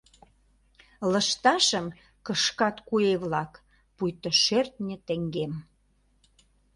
Лышташым кышкат куэ-влак, пуйто шӧртньӧ теҥгем…